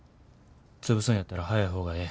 潰すんやったら早い方がええ。